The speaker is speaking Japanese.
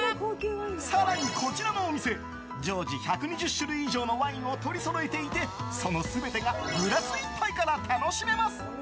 更に、こちらのお店常時１２０種類以上のワインを取りそろえていてその全てがグラス１杯から楽しめます。